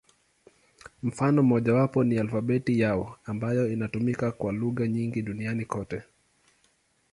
Mfano mmojawapo ni alfabeti yao, ambayo inatumika kwa lugha nyingi duniani kote.